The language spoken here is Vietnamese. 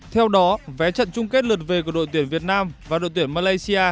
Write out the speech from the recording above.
theo đó vé trận chung kết lượt về của đội tuyển việt nam và đội tuyển malaysia